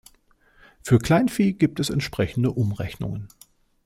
Für Kleinvieh gibt es entsprechende Umrechnungen.